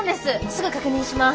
すぐ確認します。